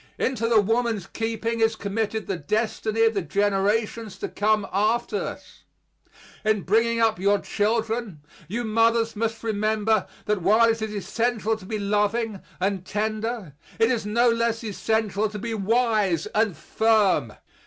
Into the woman's keeping is committed the destiny of the generations to come after us. In bringing up your children you mothers must remember that while it is essential to be loving and tender it is no less essential to be wise and firm.